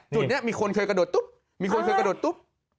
จุดนี้มีคนเคยกระโดดตุ๊บมีคนเคยกระโดดตุ๊บ